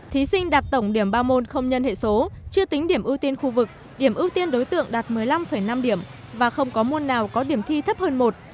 thí sinh đạt tổng điểm ba môn không nhân hệ số chưa tính điểm ưu tiên khu vực điểm ưu tiên đối tượng đạt một mươi năm năm điểm và không có môn nào có điểm thi thấp hơn một